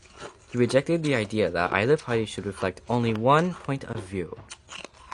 He rejected the idea that either party should reflect only one point of view.